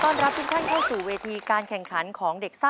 มาส่วนสอง